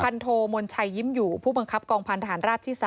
โทมนชัยยิ้มอยู่ผู้บังคับกองพันธานราบที่๓